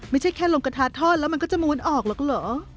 ไม่ใช่แค่ลงกระทะทอดแล้วมันก็จะม้วนออกหรอกเหรอ